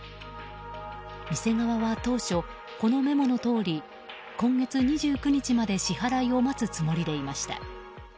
店側は当初、このメモのとおり今月２９日まで支払いを待つつもりでいました。